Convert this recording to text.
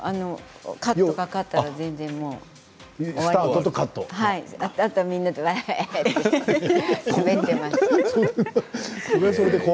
カットがかかったら全然あとは、みんなとわーっとなっている。